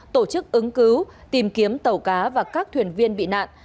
tổ chức ứng cứu tìm kiếm tàu cá và các thuyền viên bị nạn